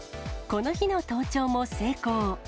この日の登頂も成功。